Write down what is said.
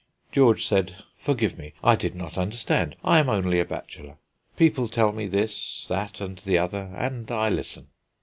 George said, "Forgive me; I did not understand. I am only a bachelor. People tell me this, that, and the other, and I listen."